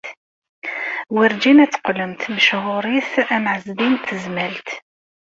Werǧin ad teqqlemt mechuṛit am Ɛezdin n Tezmalt.